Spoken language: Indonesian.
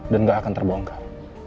dan gak akan terbongkar